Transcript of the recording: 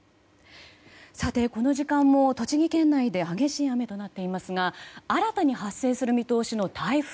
さて、この時間も栃木県内で激しい雨となっていますが新たに発生する見通しの台風。